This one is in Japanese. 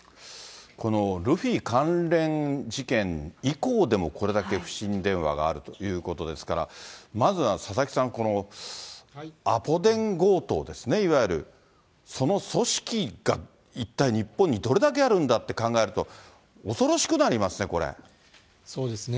このルフィ関連事件以降でも、これだけ不審電話があるということですから、まずは佐々木さん、このアポ電強盗ですね、いわゆる、その組織が一体日本にどれだけあるんだって考えると、恐ろしくなりますね、そうですね。